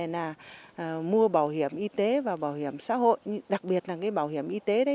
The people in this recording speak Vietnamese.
là mua bảo hiểm y tế và bảo hiểm xã hội đặc biệt là cái bảo hiểm y tế đấy